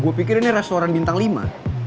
gue pikir ini restoran bintang lima